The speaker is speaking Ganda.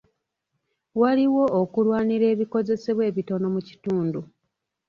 Waliwo okulwanira ebikozesebwa ebitono mu kitundu.